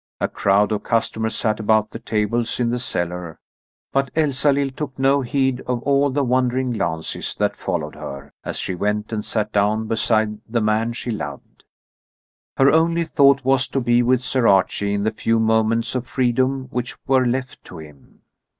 A crowd of customers sat about the tables in the cellar, but Elsalill took no heed of all the wondering glances that followed her, as she went and sat down beside the man she loved. Her only thought was to be with Sir Archie in the few moments of freedom which were left to him.